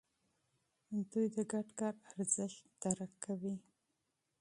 دوی د ګډ کار ارزښت درک کوي.